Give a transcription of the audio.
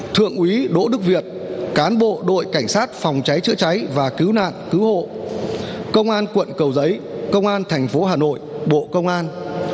thượng úy đỗ đức việt cán bộ đội cảnh sát phòng cháy chữa cháy và cứu nạn cứu hộ công an quận cầu giấy công an thành phố hà nội bộ công an